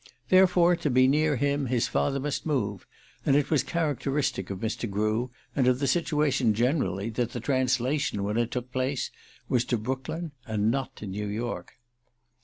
Therefore to be near him his father must move; and it was characteristic of Mr. Grew, and of the situation generally, that the translation, when it took place, was to Brooklyn, and not to New York.